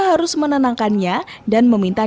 harus menenangkannya dan meminta